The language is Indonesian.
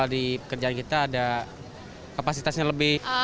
di pekerjaan kita ada kapasitasnya lebih